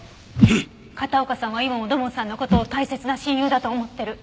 片岡さんは今も土門さんの事を大切な親友だと思ってる。